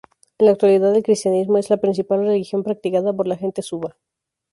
En la actualidad, el cristianismo es la principal religión practicada por la gente Suba.